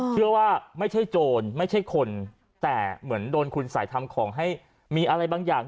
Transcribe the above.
เชื่อว่าไม่ใช่โจรไม่ใช่คนแต่เหมือนโดนคุณสัยทำของให้มีอะไรบางอย่าง